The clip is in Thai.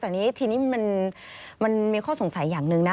แต่นี้ทีนี้มันมีข้อสงสัยอย่างหนึ่งนะ